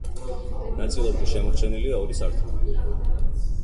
ნაწილობრივ შემორჩენილია ორი სართული.